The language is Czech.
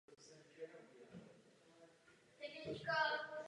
Vedle rakouského má též maďarské občanství.